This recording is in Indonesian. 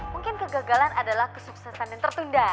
mungkin kegagalan adalah kesuksesan yang tertunda